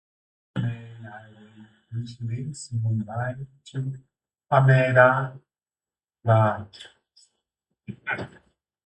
It is on the main highway which links Mumbai to Ahmedabad.